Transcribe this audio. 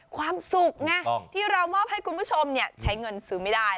ความสุขไงที่เรามอบให้คุณผู้ชมใช้เงินซื้อไม่ได้